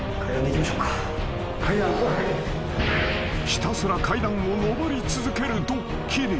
［ひたすら階段を上り続けるドッキリ］